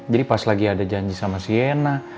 jadi pas lagi ada janji sama sienna